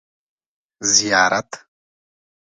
زیارت